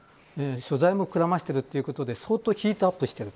所在もくらましているということで相当ヒートアップしている。